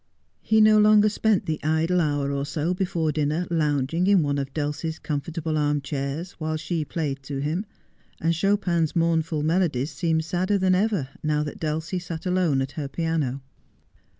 He no longer spent the idle hour or so before dinner lounging in one of Dulcie's comfortable arm chairs while she played to him ; and Chopin's mournful melodies seemed sadder than ever now that Dulcie sat alone at her piano.